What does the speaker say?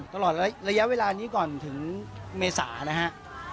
ตลอดระยะเวลานี้ก่อนถึงเมษานะฮะ